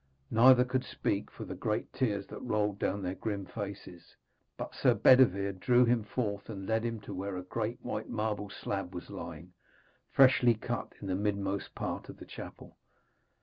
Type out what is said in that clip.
Neither could speak for the great tears that rolled down their grim faces, but Sir Bedevere drew him forth and led him to where a great white marble slab was lying, freshly cut, in the midmost part of the chapel.